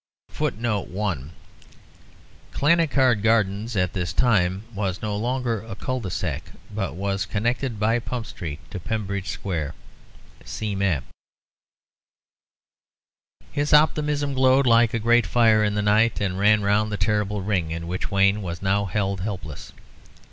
[Footnote 1: Clanricarde Gardens at this time was no longer a cul de sac, but was connected by Pump Street to Pembridge Square. See map.] His optimism glowed like a great fire in the night, and ran round the terrible ring in which Wayne was now held helpless.